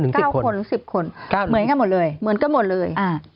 เหมือนกันหมดเลย